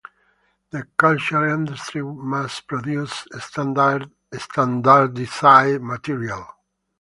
The culture industry mass-produces standardized material.